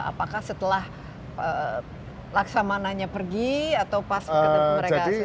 apakah setelah laksamananya pergi atau pas mereka sudah ada disini